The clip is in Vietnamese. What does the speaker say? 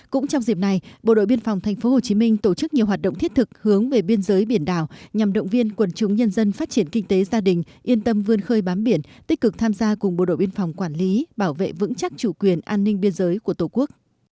cũng trong dịp này bộ đội biên phòng tp hcm tổ chức nhiều hoạt động thiết thực hướng về biên giới biển đảo nhằm động viên quần chúng nhân dân phát triển kinh tế gia đình yên tâm vươn khơi bám biển tích cực tham gia cùng bộ đội biên phòng quản lý bảo vệ vững chắc chủ quyền an ninh biên giới của tổ quốc